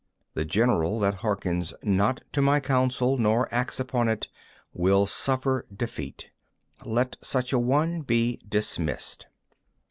The general that hearkens not to my counsel nor acts upon it, will suffer defeat:—let such a one be dismissed!